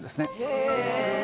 へえ